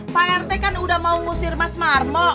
pak rt kan udah mau ngusir mas marmo